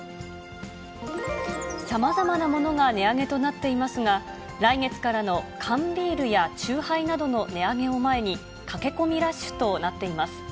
さまざまなものが値上げとなっていますが、来月からの缶ビールや酎ハイなどの値上げを前に、駆け込みラッシュとなっています。